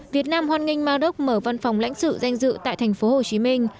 việt nam hoan nghênh mà rốc mở văn phòng lãnh sự danh dự tại thành phố hồ chí minh